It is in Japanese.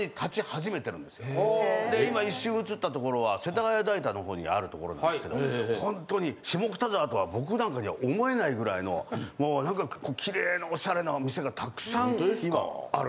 今一瞬映ったところは世田谷代田の方にあるところなんですけどホントに下北沢とは僕なんかには思えないぐらいのもう何かきれいなオシャレなお店がたくさん今ある。